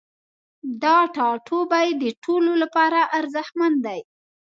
دا ټاتوبی د ټولو لپاره ارزښتمن دی